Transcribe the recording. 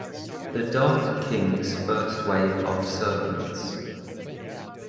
The Dark King's first wave of servants.